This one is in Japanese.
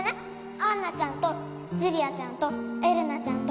アンナちゃんとジュリアちゃんとエレナちゃんと